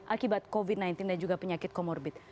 akibat covid sembilan belas dan juga penyakit comorbid